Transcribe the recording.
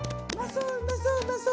そううまそううまそう。